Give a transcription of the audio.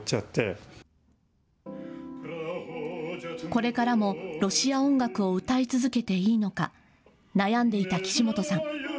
これからもロシア音楽を歌い続けていいのか悩んでいた岸本さん。